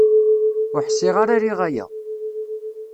Ur ḥṣiɣ ara riɣ aya.